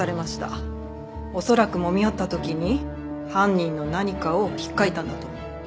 恐らくもみ合った時に犯人の何かを引っかいたんだと思う。